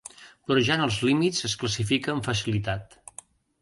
Vorejant els límits es classifica amb facilitat.